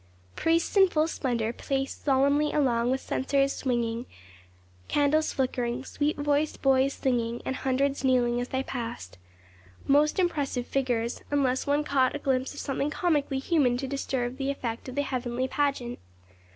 Priests in full splendour paced solemnly along with censers swinging, candles flickering, sweet voiced boys singing, and hundreds kneeling as they passed. Most impressive figures, unless one caught a glimpse of something comically human to disturb the effect of the heavenly pageant.